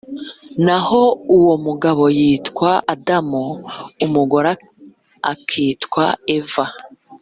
naho uwo mugabo yitwa adamu, umugore akitwa eva.